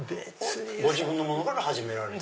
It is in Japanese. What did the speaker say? ご自分のものから始められた？